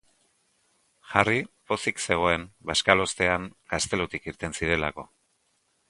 Harry pozik zegoen bazkalostean gaztelutik irten zirelako.